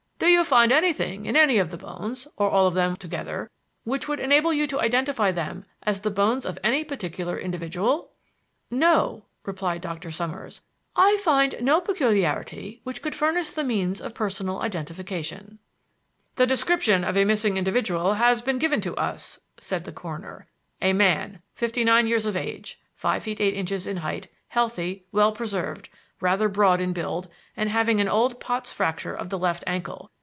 Do you find anything in any of the bones, or all of them together, which would enable you to identify them as the bones of any particular individual?" "No," replied Dr. Summers; "I found no peculiarity that could furnish the means of personal identification." "The description of a missing individual has been given to us," said the coroner; "a man, fifty nine years of age, five feet eight inches in height, healthy, well preserved, rather broad in build, and having an old Pott's fracture of the left ankle.